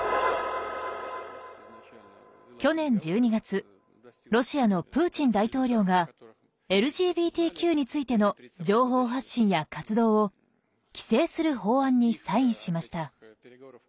去年１２月ロシアのプーチン大統領がＬＧＢＴＱについての情報発信や活動を規制する法案にサインしました。